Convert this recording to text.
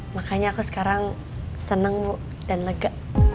makanya aku sekarang seneng bu dan lega